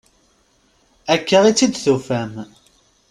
Akka i tt-id-tufam?